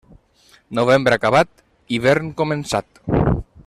Novembre acabat, hivern començat.